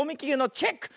チェック！